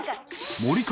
森川）